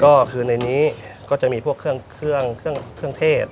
ก็คือในนี้ก็จะมีพวกเครื่องเครื่องเทศ